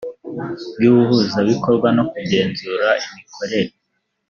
ry ubuhuzabikorwa no kugenzura imikorere